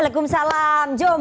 injak injak bisa melibatkan vvt